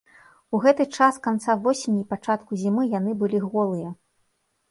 У гэты час канца восені і пачатку зімы яны былі голыя.